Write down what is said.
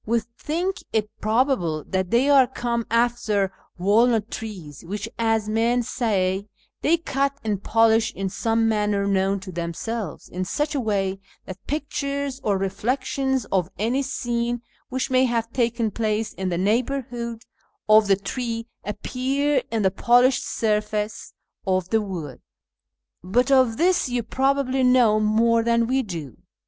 We think it probable that they are come after walnut trees, which, as men say, they cut and polish in some manner known to themselves, in such a way that pictures or reflections of any scene which may have taken place in the neighbourhood of the tree appear in the polished surface of the wood ; but of this you probably know more than we do.